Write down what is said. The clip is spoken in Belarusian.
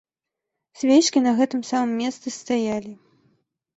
Свечкі на гэтым самым месцы стаялі.